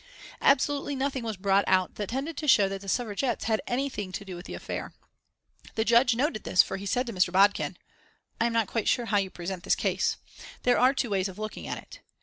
Absolutely nothing was brought out that tended to show that the Suffragettes had anything to do with the affair. The Judge noted this for he said to Mr. Bodkin: "I am not quite sure how you present this case. There are two ways of looking at it.